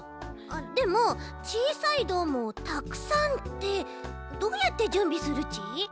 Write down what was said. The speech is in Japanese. でもちいさいどーもをたくさんってどうやってじゅんびするち？